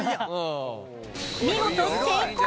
見事成功！